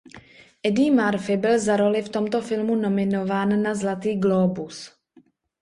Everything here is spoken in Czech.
Eddie Murphy byl za roli v tomto filmu nominován na Zlatý glóbus.